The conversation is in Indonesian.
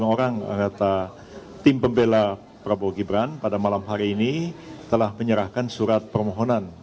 enam orang anggota tim pembela prabowo gibran pada malam hari ini telah menyerahkan surat permohonan